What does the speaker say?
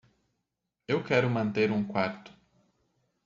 Eu quero manter um quarto.